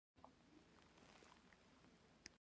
ازادي راډیو د ټرافیکي ستونزې پرمختګ سنجولی.